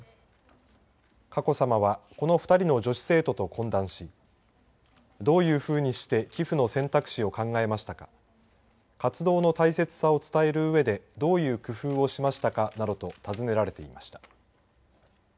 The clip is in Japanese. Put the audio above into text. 佳子さまはこの２人の女子生徒と懇談しどういうふうにして寄付の選択肢を考えましたか活動の大切さを伝えるうえでどういう工夫をしましたかなどと尋ねられていました。